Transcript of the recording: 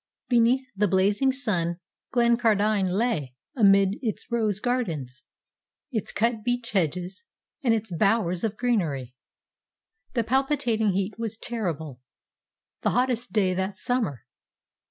Beneath the blazing sun Glencardine lay amid its rose gardens, its cut beech hedges, and its bowers of greenery. The palpitating heat was terrible the hottest day that summer.